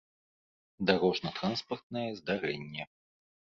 дарожна-транспартнае здарэнне